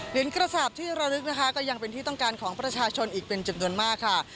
กระสาปที่ระลึกนะคะก็ยังเป็นที่ต้องการของประชาชนอีกเป็นจำนวนมากค่ะ